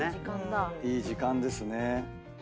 いい時間ですね。